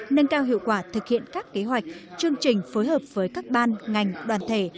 nâng cao hiệu quả thực hiện các kế hoạch chương trình phối hợp với các ban ngành đoàn thể